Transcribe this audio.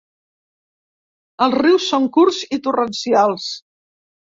Els rius són curts i torrencials.